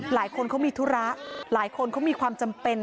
หลายคนเขามีธุระหลายคนเขามีความจำเป็น